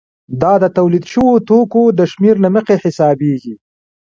دا د تولید شویو توکو د شمېر له مخې حسابېږي